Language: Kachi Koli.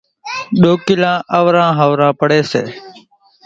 ڏوڪيلان اوران ۿوران پڙي سي،